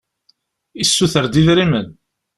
Yessuter-d idrimen.